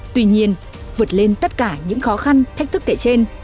tuy nhiên vượt lên tất cả những khó khăn thách thức kể trên